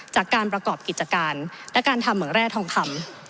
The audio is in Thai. จากการประกอบกิจการและการทำเหมืองแร่ทองคำ